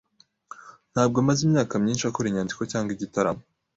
Ntabwo amaze imyaka myinshi akora inyandiko cyangwa igitaramo.